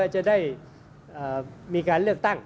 จะได้มีการเลือกตั้ง